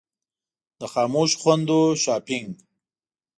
د خاموشو خویندو شاپنګ.